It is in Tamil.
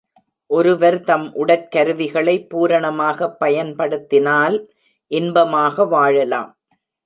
ஒருவர்தம் உடற்கருவிகளை பூரணமாகப் பயன்படுத்தினால் இன்பமாக வாழலாம்.